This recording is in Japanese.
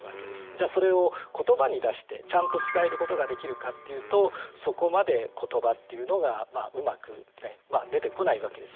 じゃあそれを言葉に出してちゃんと伝えることができるかっていうとそこまで言葉っていうのがうまく出てこないわけです